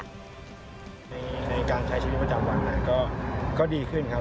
ในการใช้ชีวิตประจำวันก็ดีขึ้นครับ